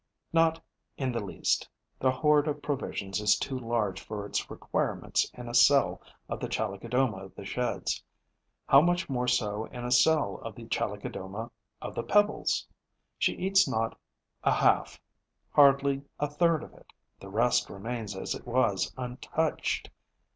Not in the least. The hoard of provisions is too large for its requirements in a cell of the Chalicodoma of the Sheds; how much more so in a cell of the Chalicodoma of the Pebbles! She eats not a half, hardly a third of it. The rest remains as it was, untouched.